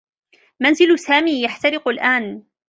منزل سامي يحترق الآن.